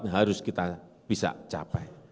harus kita bisa capai